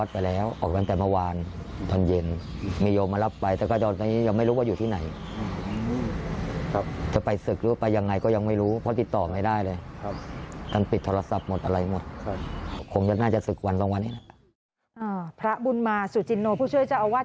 พระบุญมาสุจินโนผู้ช่วยเจ้าอาวาส